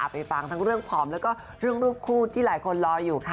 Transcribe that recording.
ไปฟังทั้งเรื่องผอมแล้วก็เรื่องรูปคู่ที่หลายคนรออยู่ค่ะ